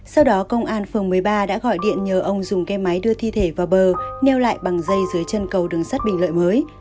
sau đó công an phường một mươi ba đã gọi điện nhờ ông dùng ke máy đưa thi thể vào bờ neo lại bằng dây dưới chân cầu đường sắt bình lợi mới